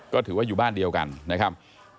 ก็ถือว่าอยู่บ้านเดียวกันนะครับ